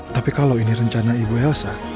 tapi kalau ini rencana ibu elsa